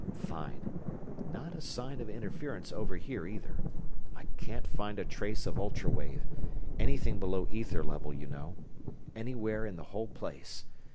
"Fine! Not a sign of interference over here, either. I can't find a trace of ultra wave anything below ether level, you know anywhere in the whole place.